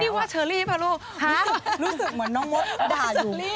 นี่ว่าเชอร์รี่ภารุรู้สึกเหมือนน้องมดด่าอยู่